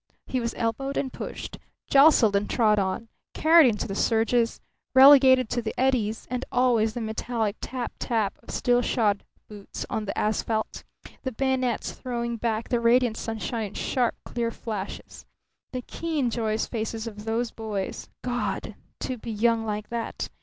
He was elbowed and pushed, jostled and trod on, carried into the surges, relegated to the eddies; and always the metallic taptap of steel shod boots on the asphalt, the bayonets throwing back the radiant sunshine in sharp, clear flashes. The keen, joyous faces of those boys. God, to be young like that!